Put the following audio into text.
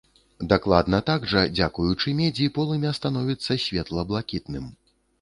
Дакладна так жа, дзякуючы медзі полымя становіцца светла-блакітным.